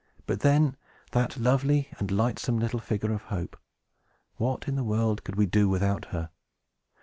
But then that lovely and lightsome little figure of Hope! What in the world could we do without her?